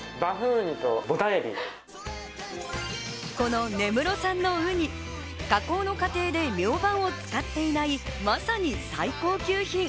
この根室産のウニ、加工の過程でミョウバンを使っていないまさに最高級品。